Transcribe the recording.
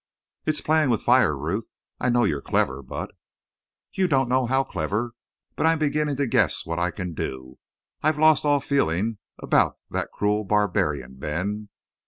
"It's playing with fire, Ruth. I know you're clever, but " "You don't know how clever, but I'm beginning to guess what I can do. I've lost all feeling about that cruel barbarian, Ben.